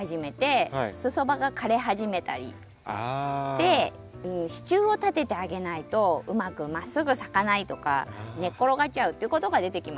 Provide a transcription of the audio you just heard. で支柱を立ててあげないとうまくまっすぐ咲かないとか寝っ転がっちゃうっていうことが出てきます。